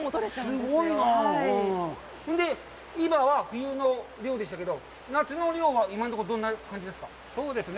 それで、今は冬の漁でしたけど、夏の漁は今のところどんな感じですか。